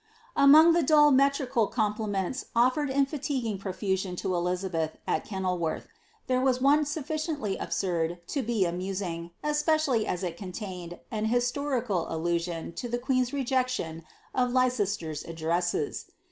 '' Among the duU metrical compliments ofiered in fatiguing provision to Qiabeth, at Kenilworth, there was one sufficiently absurd to be amus ing, espedally as it contained an historical allusion to the queen's rejeo tioo of Leicetter's addresses.